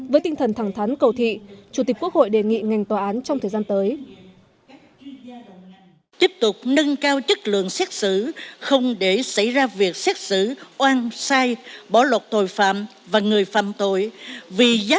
với tinh thần thẳng thắn cầu thị chủ tịch quốc hội đề nghị ngành tòa án trong thời gian tới